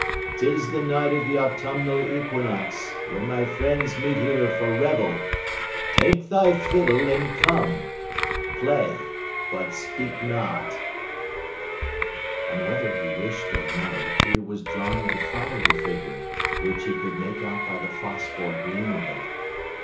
"'Tis the night of the autumnal equinox, when my friends meet here for revel. Take thy fiddle and come. Play, but speak not." And whether he wished or no, Peter was drawn to follow the figure, which he could make out by the phosphor gleam of it.